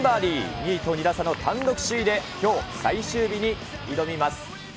２位と２打差の単独首位できょう最終日に挑みます。